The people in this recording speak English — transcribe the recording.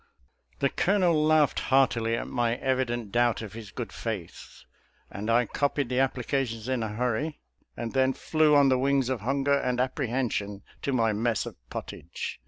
The Colonel laughed heartily at my evident doubt of his good faith, and I copied the appli cation in a hurry, and then flew on the wings of hunger and apprehension, to my mess of pottage.